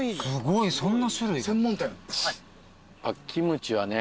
キムチはね